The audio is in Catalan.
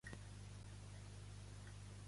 Pregaré pels tresors més ignots.